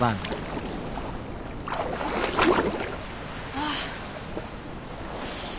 ああ。